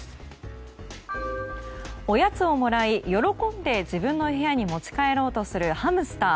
おやつをもらい喜んで自分の部屋に持ち帰ろうとするハムスター。